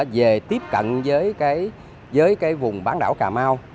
về tiếp cận với vùng bán đảo cà mau